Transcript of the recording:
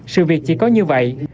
sự việc chỉ có như vậy